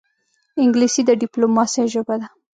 انګلیسي د ډیپلوماسې ژبه ده